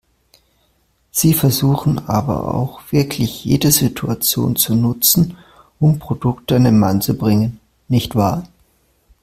Sie versuchen aber auch wirklich jede Situation zu nutzen, um Produkte an den Mann zu bringen, nicht wahr?